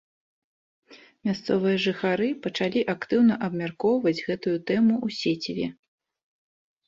Мясцовыя жыхары пачалі актыўна абмяркоўваць гэтую тэму ў сеціве.